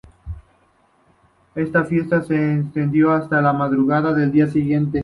Esta fiesta se extendió hasta la madrugada del día siguiente.